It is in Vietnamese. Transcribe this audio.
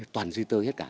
toàn di tơ hết cả